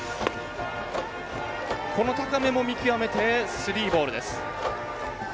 この高めも見極めてスリーボールです。